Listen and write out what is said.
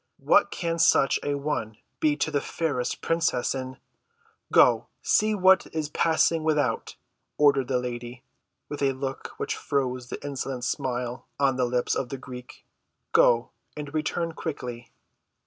What can such an one be to the fairest princess in—" "Go, see what is passing without," ordered the lady, with a look which froze the insolent smile on the lips of the Greek. "Go, and return quickly."